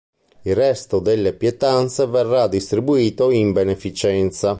Il resto delle pietanze verrà distribuito in beneficenza.